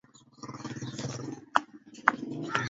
Uharibifu wa makazi ya viumbe wa majini